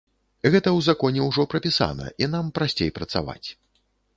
Гэта ў законе ўжо прапісана, і нам прасцей працаваць.